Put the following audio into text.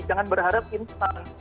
jangan berharap instan